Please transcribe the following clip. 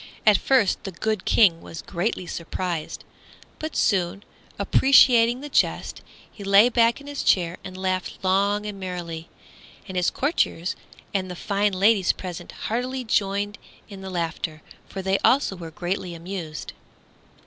At first the good King was greatly surprised; but soon, appreciating the jest, he lay back in his chair and laughed long and merrily. And his courtiers and the fine ladies present heartily joined in the laughter, for they also were greatly amused.